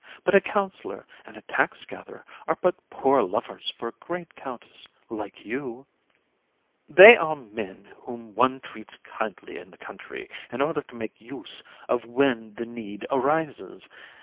But a councillor and a tax gatherer are but poor lovers for a great countess like you. COUN. They are men whom one treats kindly in the country, in order to make use of when the need arises.